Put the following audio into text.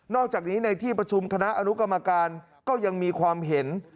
อกจากนี้ในที่ประชุมคณะอนุกรรมการก็ยังมีความเห็น